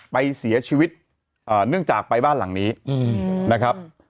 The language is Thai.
ไปเสียชีวิตเนื่องจากไปบ้านหลังนี้นะครับ